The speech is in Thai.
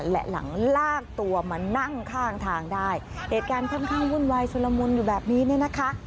และหลังลากตัวมานั่งข้างทางได้เหตุการณ์ค่อนข้างวุ่นวายชุลมุนอยู่แบบนี้เนี่ยนะคะ